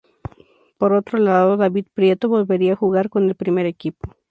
Por otro lado, David Prieto volvería a jugar con el primer equipo.